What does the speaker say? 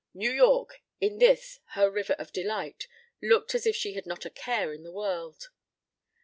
New York, in this, her River of Delight, looked as if she had not a care in the world.